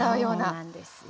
そうなんですよ。